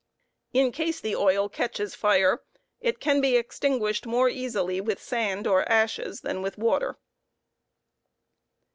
In case the oil catches fire, it can be extinguished more easily with sand ashes than with water.